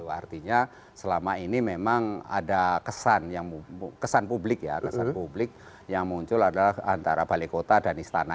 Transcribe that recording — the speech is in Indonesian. artinya selama ini memang ada kesan publik ya kesan publik yang muncul adalah antara balai kota dan istana